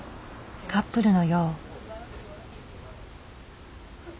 カップルのよう。